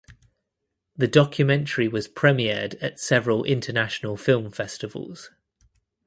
The documentary was premiered at several international film festivals.